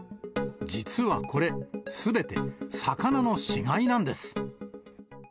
実はこれ、すべて魚の死骸なんです。